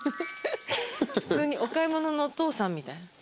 普通にお買い物のお父さんみたい。